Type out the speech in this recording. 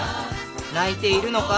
泣いているのか？